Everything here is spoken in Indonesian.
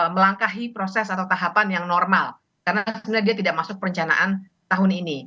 melangkahi proses atau tahapan yang normal karena sebenarnya dia tidak masuk perencanaan tahun ini